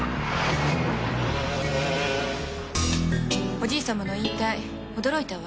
おじいさまの引退驚いたわ。